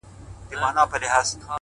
يو په يو به حقيقت بيانومه!.